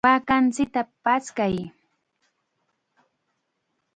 ¡Waakanchikta paskay!